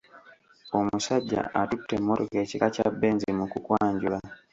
Omusajja atutte emmotoka ekika kya benzi mu kukwanjula